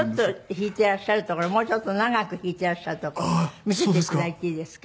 弾いてらっしゃるところもうちょっと長く弾いてらっしゃるとこ見せて頂いていいですか？